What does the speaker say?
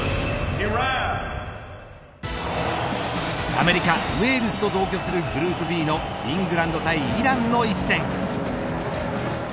アメリカ、ウェールズと同居するグループＢのイングランド対イランの一戦。